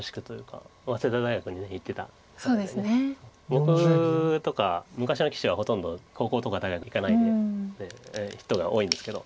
僕とか昔の棋士はほとんど高校とか大学行かないで人が多いんですけど。